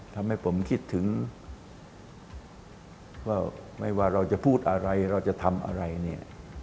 ทำให้ผมคิดถึงว่าไม่ว่าเราจะพูดอะไรเราจะทำอะไรเนี่ย